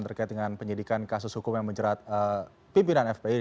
terkait dengan penyidikan kasus hukum yang menjerat pimpinan fpi